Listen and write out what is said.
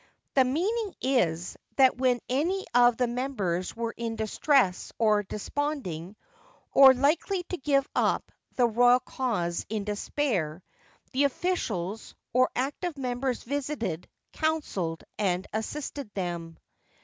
The meaning is, that when any of the members were in distress or desponding, or likely to give up the Royal cause in despair, the officials, or active members visited, counselled, and assisted them.